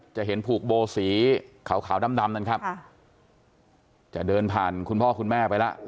จะเห็นผูกโบสีขาวขาวดำนั่นครับจะเดินผ่านคุณพ่อคุณแม่ไปแล้ว